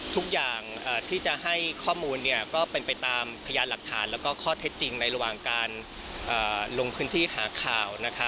ทุกอย่างที่จะให้ข้อมูลก็เป็นไปตามพยานหลักฐานแล้วก็ข้อเท็จจริงในระหว่างการลงพื้นที่หาข่าว